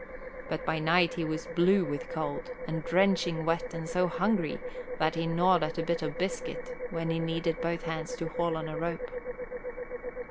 But by night he was blue with the cold, and drenching wet and so hungry that he gnawed at a bit of biscuit when he needed both hands to haul on a rope.